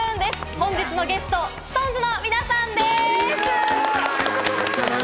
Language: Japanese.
本日のゲスト、ＳｉｘＴＯＮＥＳの皆さんです！